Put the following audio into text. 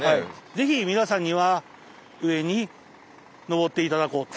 是非皆さんには上に登って頂こうと。